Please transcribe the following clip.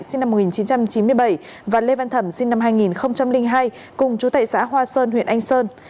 sinh năm một nghìn chín trăm chín mươi bảy và lê văn thẩm sinh năm hai nghìn hai cùng chú tệ xã hoa sơn huyện anh sơn